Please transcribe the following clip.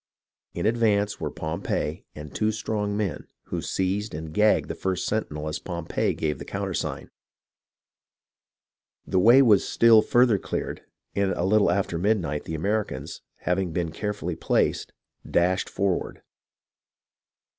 In ad vance were Pompey and two strong men, who seized and gagged the first sentinel as Pompey gave the countersign. The way was still further cleared, and a little after midnight the Americans, having been carefully placed, dashed for ward.